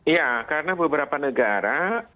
ya karena beberapa negara